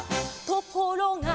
「ところが」